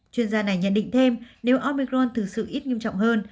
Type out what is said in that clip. chuyên gia này nhận định thêm nếu omicron thực sự ít nghiêm trọng hơn